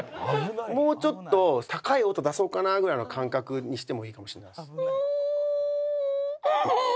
もうちょっと高い音出そうかなぐらいの感覚にしてもいいかもしれないです。ンー！